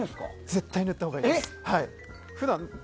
絶対に塗ったほうがいいです。